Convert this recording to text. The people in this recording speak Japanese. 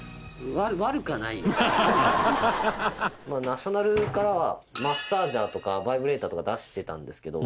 隆貴君：ナショナルからマッサージャーとかバイブレーターとか出してたんですけど。